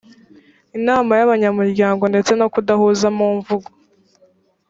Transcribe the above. inama y’abanyamuryango ndetse no kudahuza mu mvugo